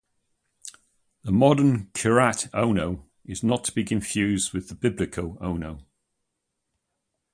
The modern Kiryat Ono is not to be confused with the biblical Ono.